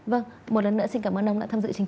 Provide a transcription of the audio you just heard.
vâng một lần nữa xin cảm ơn ông đã tham dự chương trình